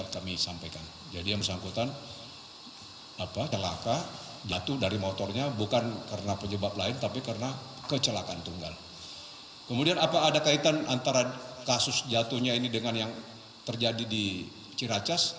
kemudian apa ada kaitan antara kasus jatuhnya ini dengan yang terjadi di ciracas